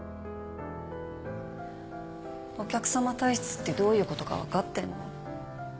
お客さま体質ってどういうことか分かってんの？